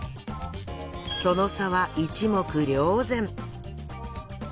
その差は一目瞭然。